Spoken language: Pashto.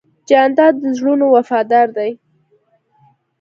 جانداد د زړونو وفادار دی.